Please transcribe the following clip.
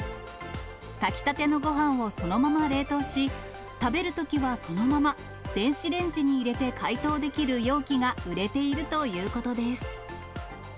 炊きたてのごはんをそのまま冷凍し、食べるときはそのまま電子レンジに入れて解凍できる容器が売れているということです。